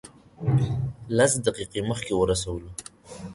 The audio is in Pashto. لس دقیقې مخکې ورسولو.